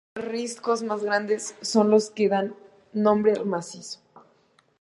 Los siete riscos más grandes son los que dan nombre al macizo.